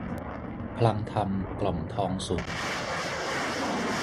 พลังธรรม กล่อมทองสุข